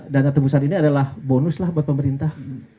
dana tebusan ini adalah bonus lah buat pemerintah